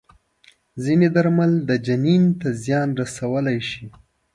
ځینې درمل د جنین ته زیان رسولی شي.